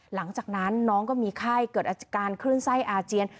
หลังจากนั้นน้องก็มีไข้เกิดอาการคลื่นไส้อาเจียน